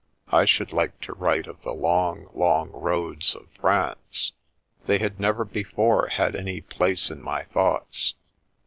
I should like to write of the long, long roads of France. They had never before had any place in my thoughts.